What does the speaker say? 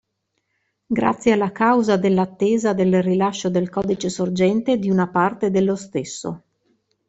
Grazie alla causa dell'attesa del rilascio del codice sorgente di una parte dello stesso.